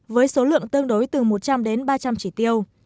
với số lượng tương đối từ một trăm linh đến ba trăm linh chỉ tiêu